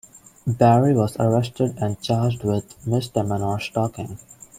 Barry was arrested and charged with "misdemeanor stalking".